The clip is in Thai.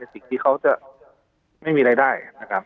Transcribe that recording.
สิ่งที่เขาจะไม่มีรายได้